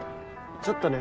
ちょっとね。